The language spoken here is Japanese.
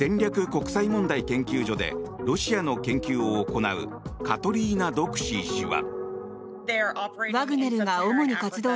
国際問題研究所でロシアの研究を行うカトリーナ・ドクシー氏は。